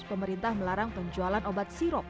pemerintah melarang penjualan obat sirop